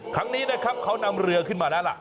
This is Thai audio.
ครั้งนี้นะครับเขานำเรือขึ้นมาแล้วล่ะ